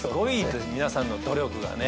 皆さんの努力がね。